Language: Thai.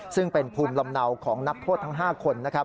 ซึ่งเป็นภูมิลำเนาของนักโทษทั้ง๕คนนะครับ